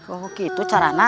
oh gitu caranya